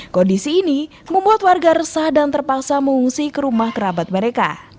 kondisi ini membuat warga resah dan terpaksa mengungsi ke rumah kerabat mereka